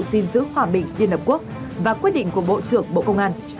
xin giữ hòa bình liên hợp quốc và quyết định của bộ trưởng bộ công an